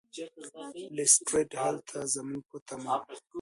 لیسټرډ هلته زموږ په تمه و.